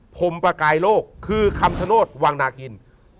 ๑ผมประกายโลกคือคำสนวทธ์วางนากิน